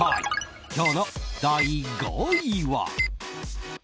今日の第５位は。